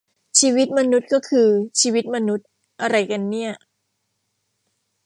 ชีวิตมนุษย์ก็คือชีวิตมนุษย์อะไรกันเนี่ย ?